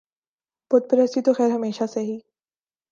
بت پرستی تو خیر ہمیشہ سے ہی